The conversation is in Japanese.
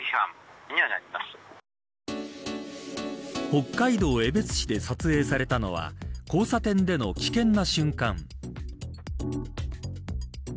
北海道江別市で撮影されたのは交差点での危険な瞬間。